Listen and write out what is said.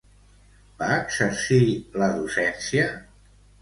Va exercir la docència?